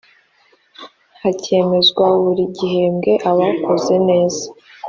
hakemezwa buri gihembwe abakoze neza